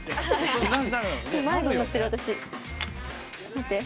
見て。